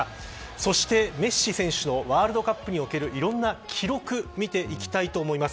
そしてメッシ選手のワールドカップにおけるいろんな記録を見ていきます。